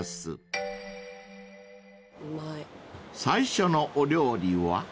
［最初のお料理は？］